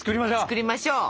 作りましょう！